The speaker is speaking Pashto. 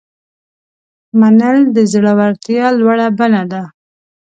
منل د زړورتیا لوړه بڼه ده.